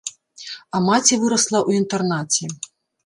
А маці вырасла ў інтэрнаце.